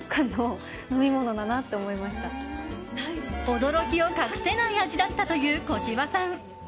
驚きを隠せない味だったという小芝さん。